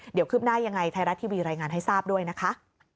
เดี๋ยวคืบหน้ายังไงไทยรัฐทีวีรายงานให้ทราบด้วยนะคะ